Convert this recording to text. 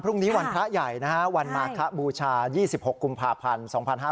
พรุ่งนี้วันพระใหญ่นะฮะวันมาคบูชา๒๖กุมภาพันธ์๒๕๕๙